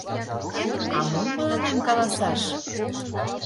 — А мом мыланем каласаш!